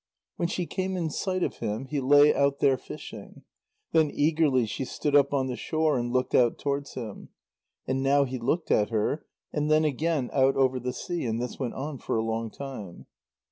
When she came in sight of him, he lay out there fishing. Then eagerly she stood up on the shore, and looked out towards him. And now he looked at her, and then again out over the sea, and this went on for a long time.